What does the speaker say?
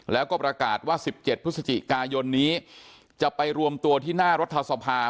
แล้วก็ประกาศว่า๑๗พฤศจิกายนนี้จะไปรวมตัวที่หน้ารัฐสภา